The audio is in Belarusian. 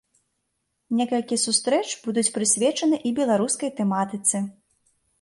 Некалькі сустрэч будуць прысвечаны і беларускай тэматыцы.